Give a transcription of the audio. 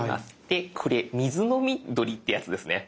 でこれ水飲み鳥ってやつですね。